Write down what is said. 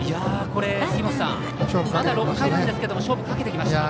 杉本さん、まだ６回なんですけど勝負をかけてきました。